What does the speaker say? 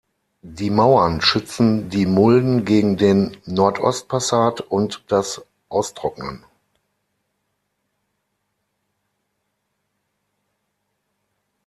Die Mauern schützen die Mulden gegen den Nordostpassat und das Austrocknen.